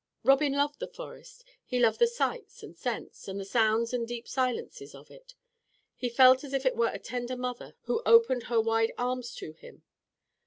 Robin loved the forest. He loved the sights and scents, and the sounds and deep silences of it. He felt as if it were a tender mother who opened her wide arms to him.